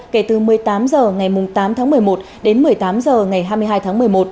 kể từ một mươi tám h ngày tám tháng một mươi một đến một mươi tám h ngày hai mươi hai tháng một mươi một